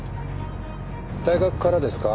大学からですか？